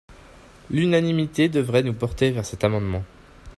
L’unanimité devrait nous porter vers cet amendement.